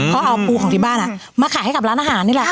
เขาเอาปูของที่บ้านมาขายให้กับร้านอาหารนี่แหละ